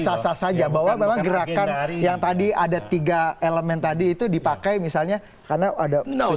sah sah saja bahwa memang gerakan yang tadi ada tiga elemen tadi itu dipakai misalnya karena ada